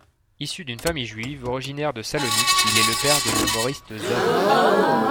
Issu d'une famille juive originaire de Salonique, il est le père de l'humoriste Zazon.